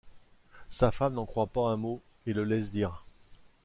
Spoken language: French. Sa femme n’en croit pas un mot et le laisse dire.